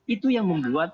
itu yang membuat